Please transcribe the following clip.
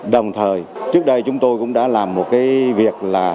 đồng thời trước đây chúng tôi cũng đã làm một cái việc là